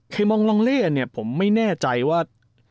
คือมองลองเล่เนี่ยผมไม่แน่ใจว่า